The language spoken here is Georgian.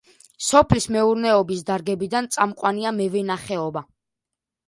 სოფლის მეურნეობის დარგებიდან წამყვანია მევენახეობა.